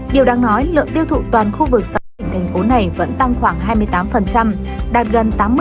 điều đáng nói lượng tiêu thụ toàn khu vực so với tỉnh thành phố này vẫn tăng khoảng hai mươi tám